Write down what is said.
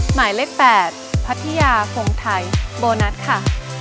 หมายเลข๘พัทยาคงไทยโบนัสค่ะ